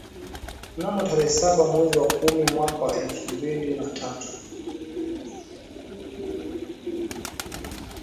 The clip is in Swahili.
Mnamo tarehe saba mwezi wa kumi mwaka wa elfu mbili na tatu